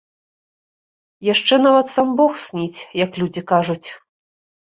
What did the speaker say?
Яшчэ нават сам бог сніць, як людзі кажуць.